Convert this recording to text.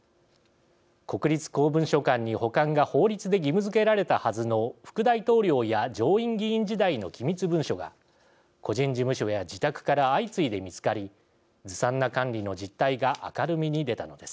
国立公文書館に保管が法律で義務づけられたはずの副大統領や上院議員時代の機密文書が個人事務所や自宅から相次いで見つかりずさんな管理の実態が明るみに出たのです。